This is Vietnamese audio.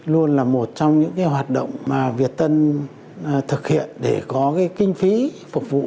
luôn là một trong những hoạt động mà việt tân thực hiện để có cái kinh phí phục vụ